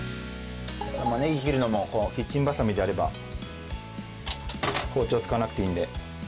ねぎ切るのもキッチンバサミでやれば包丁使わなくていいんで。